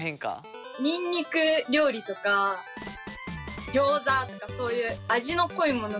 ニンニク料理とかギョーザとかそういう味の濃いもの